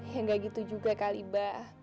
ya gak gitu juga kali bah